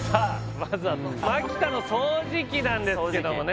まずはマキタの掃除機なんですけどもね